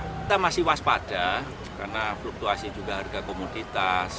kita masih waspada karena fluktuasi juga harga komoditas